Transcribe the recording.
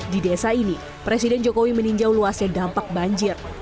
di desa ini presiden jokowi meninjau luasnya dampak banjir